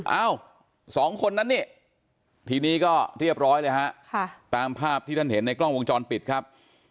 เอ้าสองคนนั้นนี่ทีนี้ก็เรียบร้อยเลยฮะตามภาพที่ท่านเห็นในกล้องวงจรปิดครับ